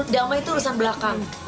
damai itu urusan belakang